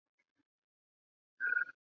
现为乐金集团旗下的公司之一。